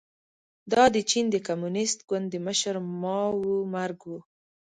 دا د چین د کمونېست ګوند د مشر ماوو مرګ و.